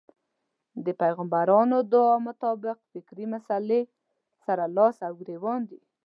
دې پيغمبرانه دعا مطابق فکري مسئلې سره لاس و ګرېوان دی.